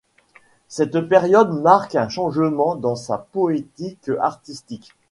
Cette période marque un changement dans sa poétique artistique.